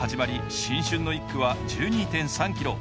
新春の１区は１２．３ｋｍ。